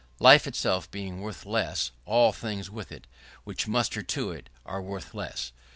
Life itself being worth less, all things with it, which minister to it, are worth less.